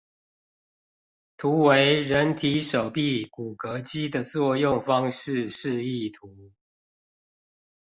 圖為人體手臂骨骼肌的作用方式示意圖